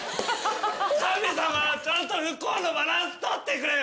神様はちゃんと不幸のバランス取ってくれよ！